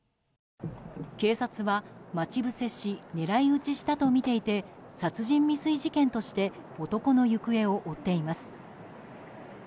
警察は、待ち伏せし狙い撃ちしたとみていて殺人未遂事件として男の行方を追っています。